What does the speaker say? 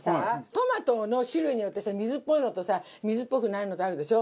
トマトの種類によってさ水っぽいのとさ水っぽくないのとあるでしょ。